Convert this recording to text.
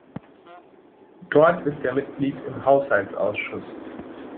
Dort ist er Mitglied im Haushaltsausschuss.